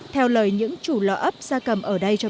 theo lời những chủ lợ ấp gia cầm ở đây